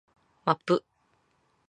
マップ